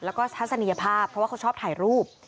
แล้วก็ทัศนียภาพเพราะว่าเขาชอบถ่ายรูป